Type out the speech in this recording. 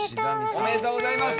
おめでとうございます！